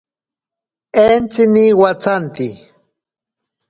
Entsini watsanti.